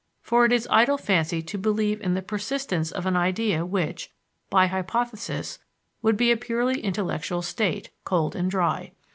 For it is idle fancy to believe in the persistence of an idea which, by hypothesis, would be a purely intellectual state, cold and dry.